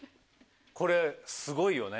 これすごいよね。